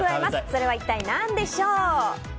それは一体何でしょう？